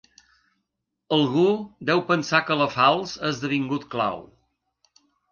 Algú deu pensar que la falç ha esdevingut clau.